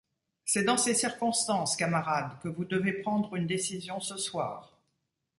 C’est dans ces circonstances, camarades, que vous devez prendre une décision ce soir.